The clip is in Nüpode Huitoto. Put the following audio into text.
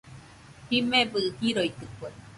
Jimebɨ jiroitɨkue